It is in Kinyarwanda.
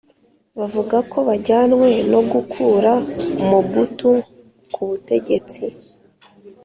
bavuga ko bajyanwe no gukura Mobutu ku butegetsi,